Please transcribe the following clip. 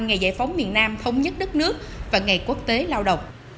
ngày giải phóng miền nam thống nhất đất nước và ngày quốc tế lao động